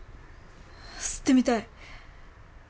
吸ってみたい。